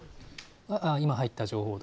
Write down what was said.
今、入った情報。